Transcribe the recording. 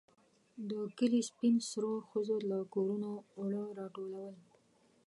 د کلي سپين سرو ښځو له کورونو اوړه راټولول.